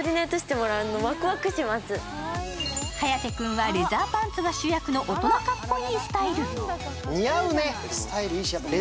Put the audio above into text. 颯君はレザーパンツが主役の大人かっこいいスタイル。